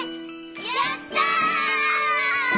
やった！